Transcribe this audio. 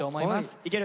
いける！